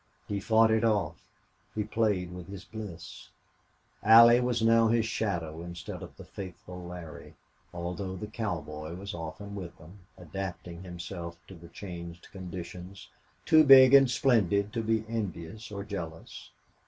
He fought it off; he played with his bliss. Allie was now his shadow instead of the faithful Larry, although the cowboy was often with them, adapting himself to the changed conditions, too big and splendid to be envious or jealous.